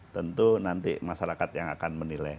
tentu nanti masyarakat yang akan menilai